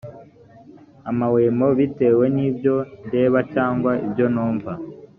amahwemo bitewe n ibyo ndeba cyangwa ibyo numva